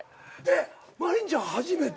真凜ちゃん初めて？